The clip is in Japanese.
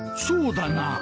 そうだな。